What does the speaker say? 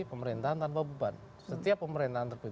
pemerintahan tanpa beban setiap pemerintahan